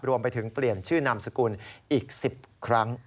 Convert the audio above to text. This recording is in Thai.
รวมไปถึงเปลี่ยนชื่อนามสกุลอีก๑๐ครั้ง